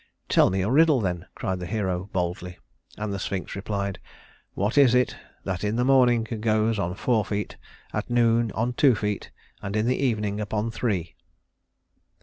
"Tell me your riddle then," cried the hero, boldly; and the Sphinx replied: "What is it that in the morning goes on four feet, at noon on two feet, and in the evening upon three?"